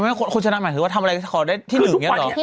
คือคนชนะหมายถึงว่าทำอะไรก็จะขอได้ที่๑จริงเนี่ยหรือ